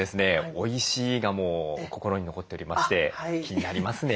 「おいしい」がもう心に残っておりまして気になりますね。